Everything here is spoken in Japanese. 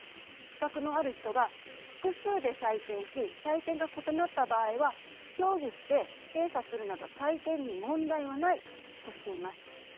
資格のある人が複数で採点し採点が異なった場合は協議して精査するなど採点に問題はないとしています。